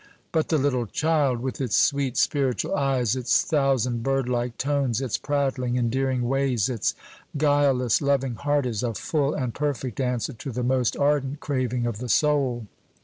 But the little child, with its sweet, spiritual eyes, its thousand bird like tones, its prattling, endearing ways, its guileless, loving heart, is a full and perfect answer to the most ardent craving of the soul.